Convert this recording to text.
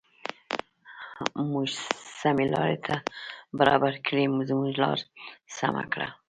موږ سمې لارې ته برابر کړې زموږ لار سمه کړه.